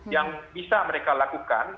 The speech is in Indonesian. yang bisa mereka lakukan